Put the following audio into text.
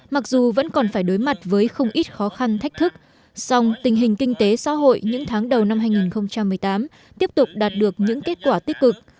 mặc dù vẫn còn phải đối mặt với không ít khó khăn thách thức song tình hình kinh tế xã hội những tháng đầu năm hai nghìn một mươi tám tiếp tục đạt được những kết quả tích cực